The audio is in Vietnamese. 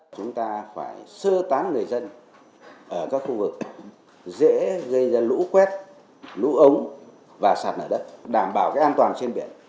chúng ta phải sơ tán người dân ở các khu vực dễ gây ra lũ quét lũ ống và sạt lở đất đảm bảo an toàn trên biển